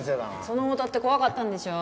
その大田って怖かったんでしょ？